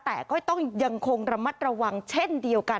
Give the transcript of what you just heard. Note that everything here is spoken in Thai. แต่ก็ต้องยังคงระมัดระวังเช่นเดียวกัน